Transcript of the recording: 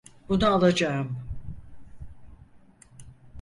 Bunu alacağım.